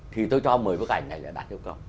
thì tôi cho một mươi bức ảnh này là đạt được không